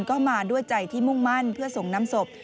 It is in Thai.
ก็มาด้วยใจที่มุ่งมั่นเพื่อส่งน้ำศพ